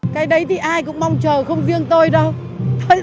cái đấy thì ai cũng mong chờ không riêng tôi đâu